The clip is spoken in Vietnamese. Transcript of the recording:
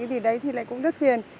thì đấy thì lại cũng rất phiền